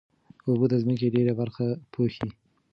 اوبه د ځمکې ډېره برخه پوښي.